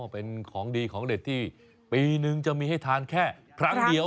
เป็นของดีของเด็ดที่ปีนึงจะมีให้ทานแค่ครั้งเดียว